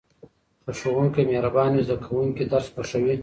که ښوونکی مهربان وي زده کوونکي درس خوښوي.